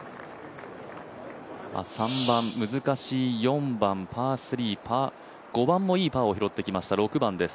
３番、難しい４番、パー３、５番もいいパーを拾ってきました、６番です。